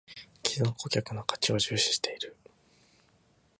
① 既存顧客の価値を重視している